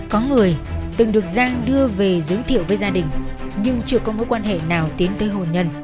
có người từng được giang đưa về giới thiệu với gia đình nhưng chưa có mối quan hệ nào tiến tới hồn nhân